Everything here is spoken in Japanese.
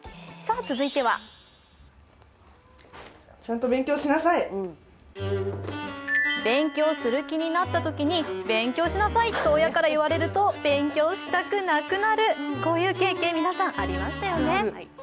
続いては勉強する気になったときに勉強しなさいと親からいわれると勉強したくなくなる、こういう経験、皆さんありましたよね？